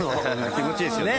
気持ちいいですよね。